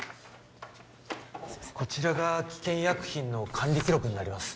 こちらが危険薬品の管理記録になります